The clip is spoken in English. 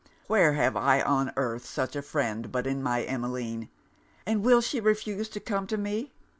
'Where have I on earth such a friend but in my Emmeline? And will she refuse to come to me?